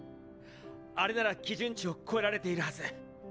あれなら基準値を超えられているはず。